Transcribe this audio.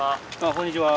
こんにちは。